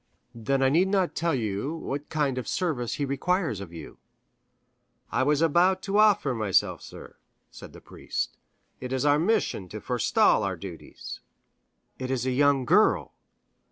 "Then I need not tell you what kind of service he requires of you." "I was about to offer myself, sir," said the priest; "it is our mission to forestall our duties." "It is a young girl."